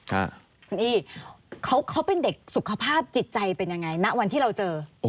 คุณอี้เขาเป็นเด็กสุขภาพจิตใจเป็นยังไงณวันที่เราเจอ